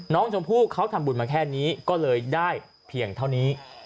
น้องชมพู่เขาทำบุญมาแค่นี้ก็เลยได้เพียงเท่านี้